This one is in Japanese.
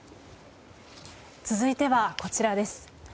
続いては、こちらです。